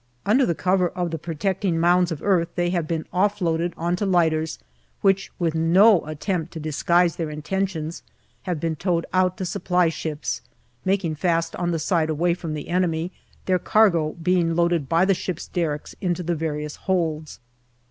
Under the cover of the protecting mounds of earth they have been off loaded on to lighters, which with no attempt to disguise their intentions have been towed out to supply ships, making fast on the side away from the enemy, their cargo being loaded by the ships' derricks into the various holds.